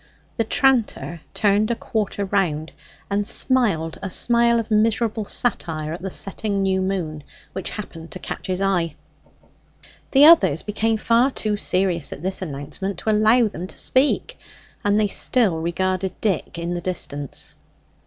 The tranter turned a quarter round and smiled a smile of miserable satire at the setting new moon, which happened to catch his eye. The others became far too serious at this announcement to allow them to speak; and they still regarded Dick in the distance.